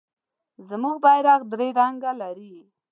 زمونږ بیرغ درې رنګه لري.